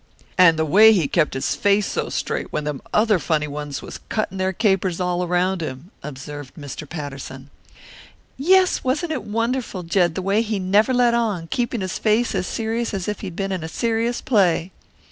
"And the way he kept his face so straight when them other funny ones was cutting their capers all around him," observed Mr. Patterson. "Yes! wasn't it wonderful, Jed, the way he never let on, keeping his face as serious as if he'd been in a serious play?"